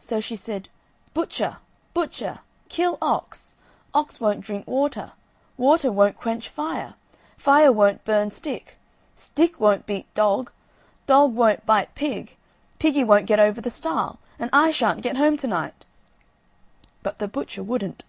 So she said: "Butcher! butcher! kill ox; ox won't drink water; water won't quench fire; fire won't burn stick; stick won't beat dog; dog won't bite pig; piggy won't get over the stile; and I shan't get home to night." But the butcher wouldn't.